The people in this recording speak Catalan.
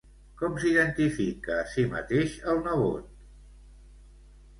Com s'identifica a si mateix el nebot?